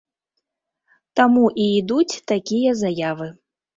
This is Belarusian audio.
Таму і ідуць такія заявы.